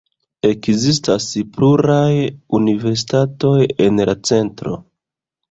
Ekzistas pluraj universitatoj en la centro.